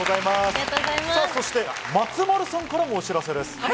そして松丸さんからもお知らせです。